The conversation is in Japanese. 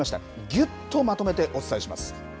ぎゅっとまとめてお伝えします。